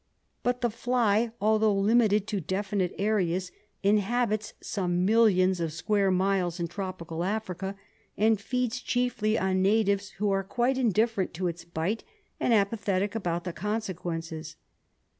But the fly, although limited to definite areas, inhabits some millions of square miles in tropical Africa, and feeds chiefly on natives who are quite indifferent to its bite and apathetic about the conse quences.